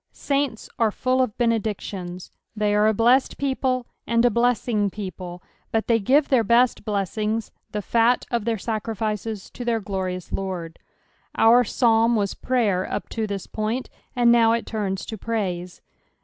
Saints are full of benedictions ; they are a blessed people, and a blessing people ; but they giro their best blessings, the fat uf their sacnAces, to their glorious Lord. Our Paalm was prayer up to this point, and now it turns to praise.